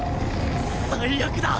最悪だ！